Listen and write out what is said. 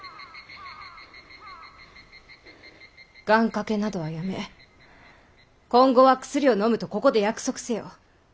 願かけなどはやめ今後は薬をのむとここで約束せよ。